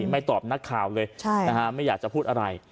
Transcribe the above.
ไม่ตอบนักข่าวเลยไม่อยากจะพูดอะไร